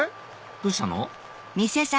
どうしたの？